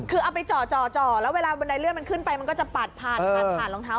คือเอาไปจ่อแล้วเวลาบันไดเลื่อนมันขึ้นไปมันก็จะปัดผ่านผ่านรองเท้า